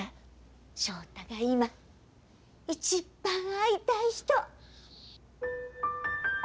翔太が今一番会いたい人！